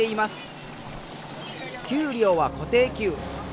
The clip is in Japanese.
給料は固定給。